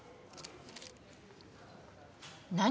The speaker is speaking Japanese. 何？